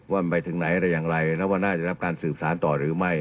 ว่ามันไปถึงไหนอะไรอย่างไรแล้วว่าน่าจะรับการสืบสารต่อหรือไม่